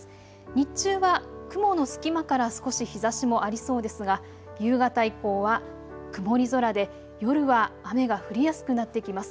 日中は雲の隙間から少し日ざしもありそうですが夕方以降は曇り空で夜は雨が降りやすくなってきます。